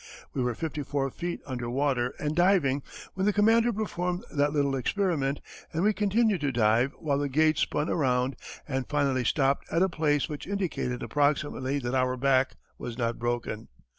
We were fifty four feet under water and diving when the commander performed that little experiment and we continued to dive while the gauge spun around and finally stopped at a place which indicated approximately that our back was not broken.